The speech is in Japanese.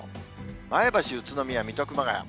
前橋、宇都宮、水戸、熊谷。